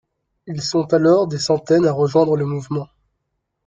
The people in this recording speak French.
Ils sont alors des centaines à rejoindre le mouvement.